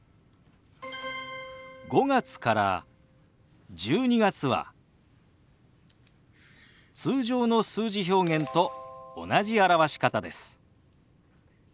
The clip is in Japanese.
５月から１２月は通常の数字表現と同じ表し方です。